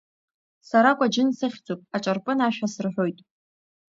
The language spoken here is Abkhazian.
Сара Кәаџьын сыхьӡуп, аҿарпын ашәа асырҳәоит.